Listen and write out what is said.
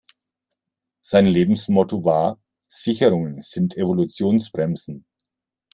Sein Lebensmotto war: Sicherungen sind Evolutionsbremsen.